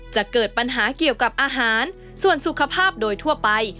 จะเกิดปัญหาเกี่ยวกับอาหารส่วนสุขภาพโดยทั่วไป